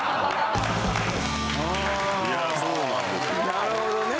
なるほどね。